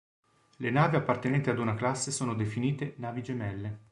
Le navi appartenenti ad una classe sono definite navi gemelle.